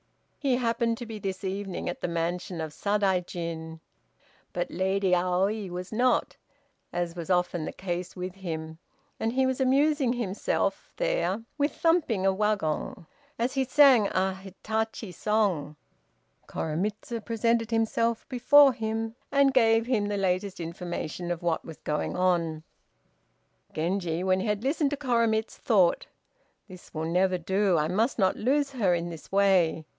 He happened to be this evening at the mansion of Sadaijin, but Lady Aoi was not, as was often the case, with him, and he was amusing himself there with thumping a wagon as he sang a "Hitachi" song. Koremitz presented himself before him, and gave him the latest information of what was going on. Genji, when he had listened to Koremitz, thought, "This will never do; I must not lose her in this way.